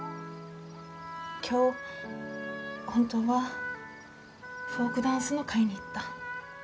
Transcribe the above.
今日本当はフォークダンスの会に行った。